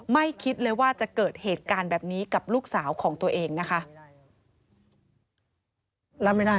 ไม่คิดเลยว่าจะเกิดเหตุการณ์แบบนี้กับลูกสาวของตัวเองนะคะ